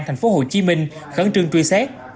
thành phố hồ chí minh khấn trương truy xét